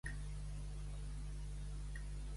Una cosa, rodona com un plat. Xip-Xap!, ja s'ha amagat.